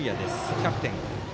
キャプテン。